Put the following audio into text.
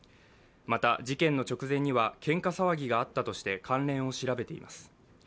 また、事件の直前にはけんか騒ぎがあったとして関連を調べています。